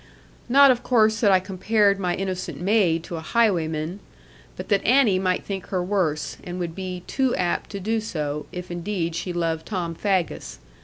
Not, of course, that I compared my innocent maid to a highwayman; but that Annie might think her worse, and would be too apt to do so, if indeed she loved Tom Faggus.